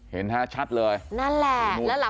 เห็นค่ะชัดเลยนั่นแหละมุมขวัญมาแล้ว